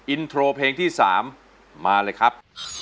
อินโทรเพลงที่๓มาเลยครับ